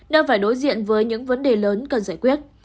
đang phải đối diện với những vấn đề lớn cần giải quyết